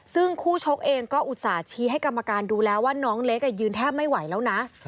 ซึ่งคู่ชกเองก็อุตส่าห์ชี้ให้กรรมการดูแล้วว่าน้องเล็กยืนแทบไม่ไหวแล้วนะ